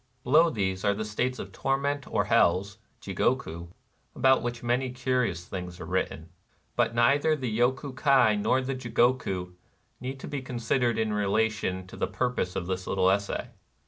Below these are the states of tor ment or hells {Jigohit)^ about which many curious things are written ; but neither the Yoku Kai nor the Jigoku need be considered in relation to the purpose of this little essay.